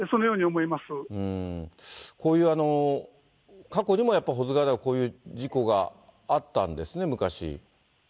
こういう、過去にもやっぱり保津川では、こういう事故があったんですね、昔。